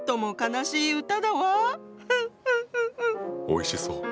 おいしそう。